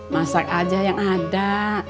masak aja yang ada